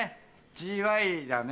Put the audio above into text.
ＧＹだね。